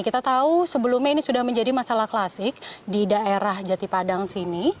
kita tahu sebelumnya ini sudah menjadi masalah klasik di daerah jati padang sini